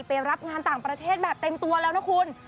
ไปรับงานต่างประเทศแบบเต็มตัวแล้วนะคุณ